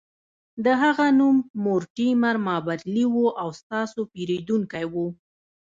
د هغه نوم مورټیمر مابرلي و او ستاسو پیرودونکی و